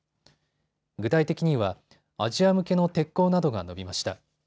具体的にはアジア向けの鉄鋼などが伸びました。